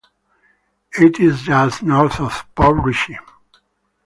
It is just north of Port Richey.